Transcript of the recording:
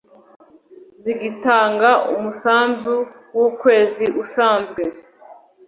zigitanga umusanzu w’ukwezi usanzwe